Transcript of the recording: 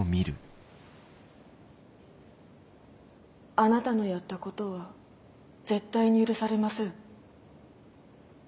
あなたのやったことは絶対に許されません。